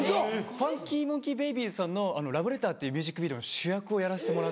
ＦＵＮＫＹＭＯＮＫＥＹＢΛＢＹ’Ｓさんの『ラブレター』っていうミュージックビデオの主役をやらせてもらって。